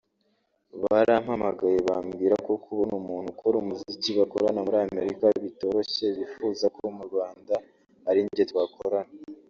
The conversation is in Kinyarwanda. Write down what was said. barampamagaye bambwira ko kubona umuntu ukora umuziki bakorana muri Amerika bitoroshye bifuza ko mu Rwanda ari njye twakorana